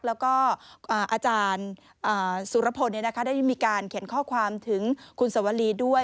แล้วก็อาจารย์สุรพลได้มีการเขียนข้อความถึงคุณสวรีด้วย